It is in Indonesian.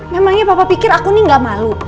memangnya papa pikir aku nih gak malu